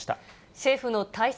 政府の対策